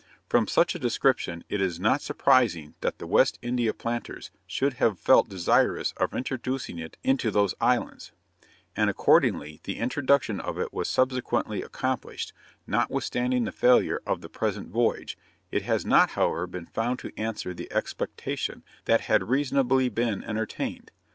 From such a description, it is not surprising that the West India planters should have felt desirous of introducing it into those islands; and accordingly the introduction of it was subsequently accomplished, notwithstanding the failure of the present voyage; it has not, however, been found to answer the expectation that had reasonably been entertained.